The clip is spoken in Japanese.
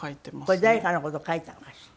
これ誰かの事描いたのかしら？